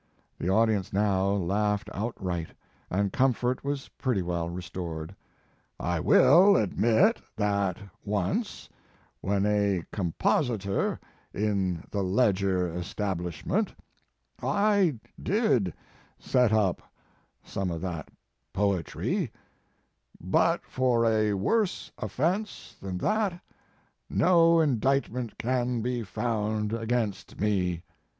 The audience now laughed outright, and com fort was pretty well restored. "I will admit, that once, when a compositor in the Ledger establishment, I did set up some of that poetry, but for a worse offence than that no indictment can be found against me."